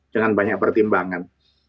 dengan banyak pertimbangan